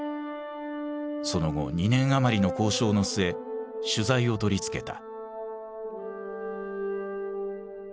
その後２年余りの交渉の末取材を取り付けた。